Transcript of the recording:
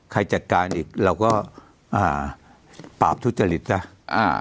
ใครจัดการอีกเราก็อ่าปราบทุจริตซะอ่า